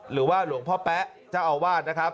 หรือว่าหลวงพ่อแป๊ะเจ้าอาวาสนะครับ